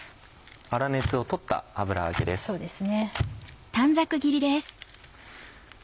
粗熱をとった油揚げです。